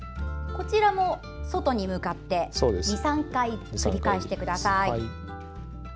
こちらも、外に向かって２３回繰り返してください。